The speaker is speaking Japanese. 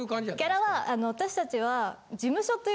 ギャラは私達は。